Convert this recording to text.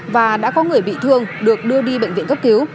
và đã có người bị thương được đưa đi bệnh viện cấp cứu